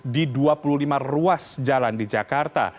di dua puluh lima ruas jalan di jakarta